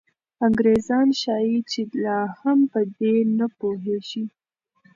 انګریزان ښایي چې لا هم په دې نه پوهېږي.